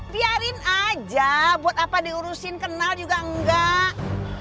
biarin aja buat apa diurusin kenal juga enggak